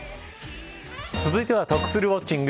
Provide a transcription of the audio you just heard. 続いては得するウォッチング！